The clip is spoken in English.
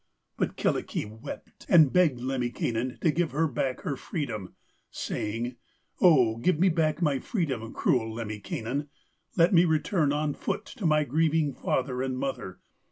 But Kyllikki wept and begged Lemminkainen to give her back her freedom, saying, 'Oh, give me back my freedom, cruel Lemminkainen; let me return on foot to my grieving father and mother.